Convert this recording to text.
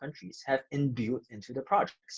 orang dari negara negara berkembang ini telah membuat proyek